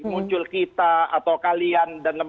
muncul kita atau kalian